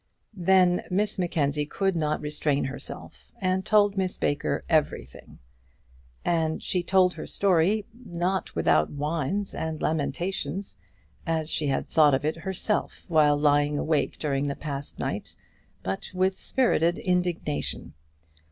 Then Miss Mackenzie could not restrain herself, and told Miss Baker everything. And she told her story, not with whines and lamentations, as she had thought of it herself while lying awake during the past night, but with spirited indignation.